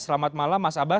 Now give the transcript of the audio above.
selamat malam mas abas